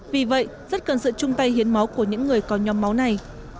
vì vậy rất cần sự chung tay hiến máu của những người có nhóm máu này